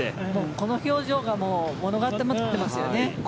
この表情が物語ってますよね。